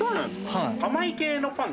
はい。